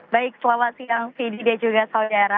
baik selamat siang fedy dan juga saudara